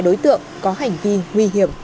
đối tượng có hành vi nguy hiểm